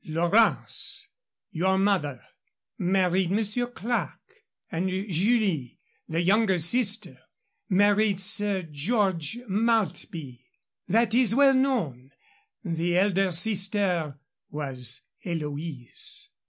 Lorance, your mother, married Monsieur Clerke, and Julie, the younger sister, married Sir George Maltby. That is well known. The elder sister was Eloise."